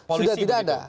jadi sudah tidak ada